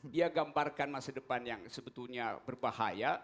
dia gambarkan masa depan yang sebetulnya berbahaya